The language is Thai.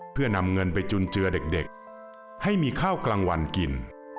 เพื่อนำเงินไปจุนเจือเด็กให้มีข้าวกลางวันกิน